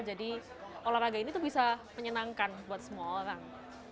jadi olahraga ini tuh bisa menyenangkan buat semua orang